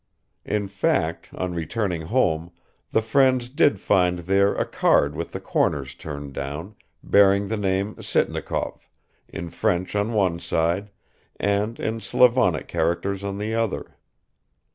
(In fact on returning home the friends did find there a card with the corners turned down, bearing the name Sitnikov, in French on one side, and in Slavonic characters on the other.)